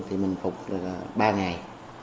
thì mình phục ba ngày